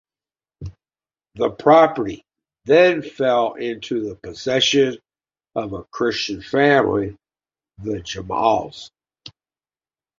The property then fell into the possession of a Christian family, the Jamals.